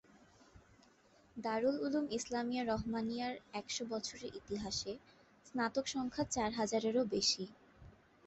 দারুল উলূম ইসলামিয়া রহমানিয়া’র একশ বছরের ইতিহাসে স্নাতক সংখ্যা চার হাজারেরও বেশি।